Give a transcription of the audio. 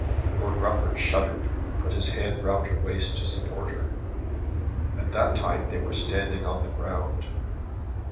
Lord Rufford shuddered and put his hand round her waist to support her. At that time they were standing on the ground.